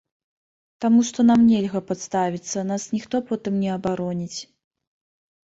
Таму што нам нельга падставіцца, нас ніхто потым не абароніць.